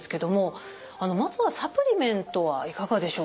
まずはサプリメントはいかがでしょうか？